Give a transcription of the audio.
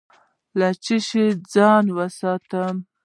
له څه شي ځان وساتم؟